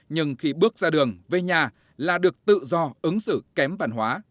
nhưng khi bước ra đường về nhà là được tự do ứng xử kém văn hóa